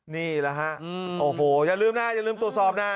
นี่แหละฮะโอ้โหอย่าลืมนะอย่าลืมตรวจสอบนะ